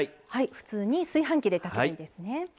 普通に炊飯器で炊けばいいですね。